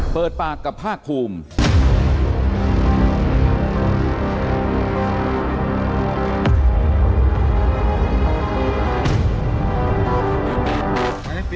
เปิดปากกับภาคภูมิ